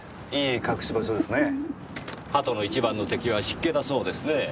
鳩の一番の敵は湿気だそうですねぇ。